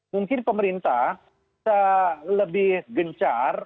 mungkin pemerintah lebih gencar